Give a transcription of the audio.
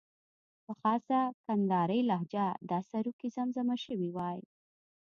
په خاصه کندارۍ لهجه دا سروکی زمزمه شوی وای.